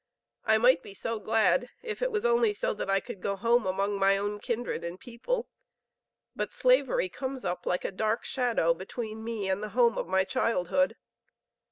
I might be so glad if it was only so that I could go home among my own kindred and people, but slavery comes up like a dark shadow between me and the home of my childhood.